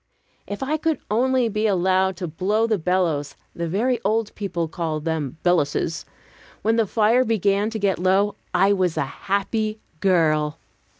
If I could only be allowed to blow the bellows the very old people called them "belluses" when the fire began to get low, I was a happy girl.